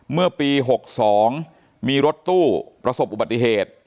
เมื่อปี๖๒มีรถตู้ประสบอุบัติเหตุ